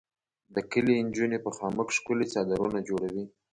د کلي انجونې په خامک ښکلي څادرونه جوړوي.